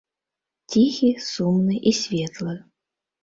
Ціхі, сумны і светлы.